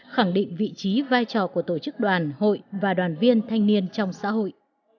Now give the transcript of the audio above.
khẳng định vị trí vai trò của tổ chức đoàn hội và đoàn viên thanh niên trong xã hội